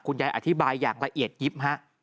ยายอธิบายอย่างละเอียดยิบฮะ